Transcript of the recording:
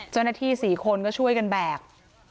เจ้าหน้าที่๔คนก็ช่วยกันแบก